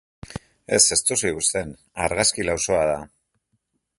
Ez, ez duzu ikusten, argazki lausoa da.